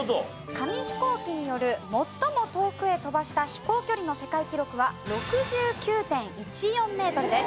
紙飛行機による最も遠くへ飛ばした飛行距離の世界記録は６９．１４メートルです。